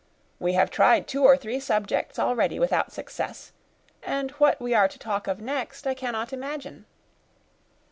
We have tried two or three subjects already without success, and what we are to talk of next I cannot imagine."